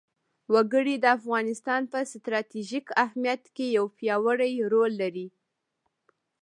وګړي د افغانستان په ستراتیژیک اهمیت کې یو پیاوړی رول لري.